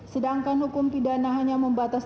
sedangkan hukum pidana hanya membatas